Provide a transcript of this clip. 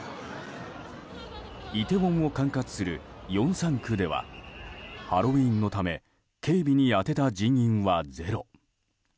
イテウォンを管轄するヨンサン区ではハロウィーンのため警備に充てた人員はゼロ。